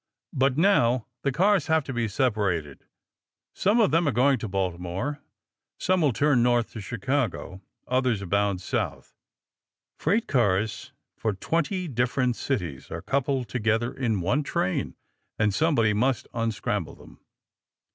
But now the cars have to be separated. Some of them are going to Baltimore. Some will turn north to Chicago. Others are bound south. Freight cars for twenty different cities are coupled together in one train, and somebody must unscramble them.